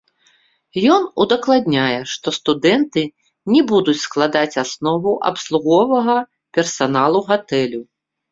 Ён удакладняе, што студэнты не будуць складаць аснову абслуговага персаналу гатэлю.